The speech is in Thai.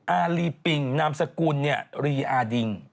อารีปิงนามสกุลรีอาดิง